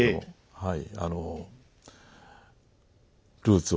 はい。